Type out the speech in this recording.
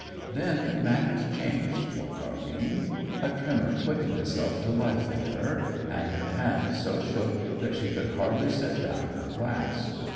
Then matters changed for Car'line. A tremor quickened itself to life in her, and her hand so shook that she could hardly set down her glass.